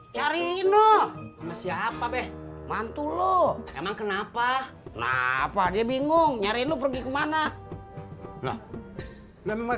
cari ino siapa deh mantuloh emang kenapa kenapa dia bingung nyari lu pergi kemana loh memang